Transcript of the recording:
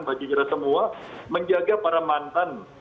bagi kita semua menjaga para mantan